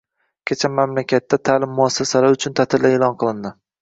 Kecha mamlakatda ta'lim muassasalari uchun ta'tillar e'lon qilindi